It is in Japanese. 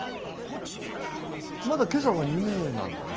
まだ今朝は２名なんだね。